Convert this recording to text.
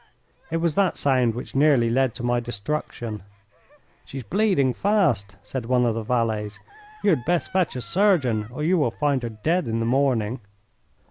It was that sound which nearly led to my destruction. "She's bleeding fast," said one of the valets. "You had best fetch a surgeon or you will find her dead in the morning."